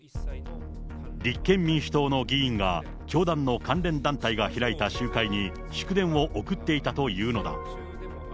立憲民主党の議員が教団の関連団体が開いた集会に、祝電を送っていたというのだ。